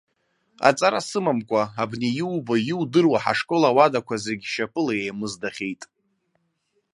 Аҵара сымамкәа, абни иубо, иудыруа ҳашкол ауадақәа, зегьы шьапыла еимыздахьеит.